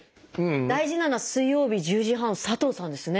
大事なのは「水曜日」「１０時半」「佐藤さん」ですね。